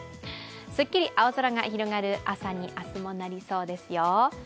すっきり青空が始まる朝に明日もなりそうですよ。